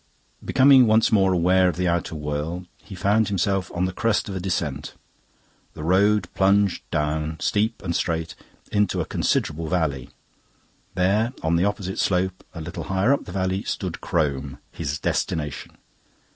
Becoming once more aware of the outer world, he found himself on the crest of a descent. The road plunged down, steep and straight, into a considerable valley. There, on the opposite slope, a little higher up the valley, stood Crome, his destination.